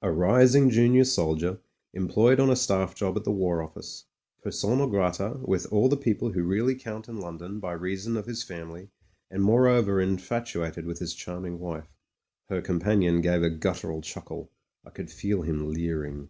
A rising junior soldier, employed on a staff job at the War Office, persona grata with all the people who really count in London by reason of his family, and moreover infatuated with his charming wife." Her companion gave a guttural chuckle; I could feel him leering.